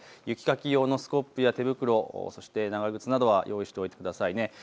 雪かき用のスコップ、手袋、そして長靴などは用意しておいてください。